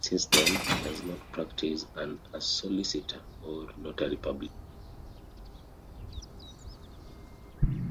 Since then, he has not practised as a solicitor or notary public.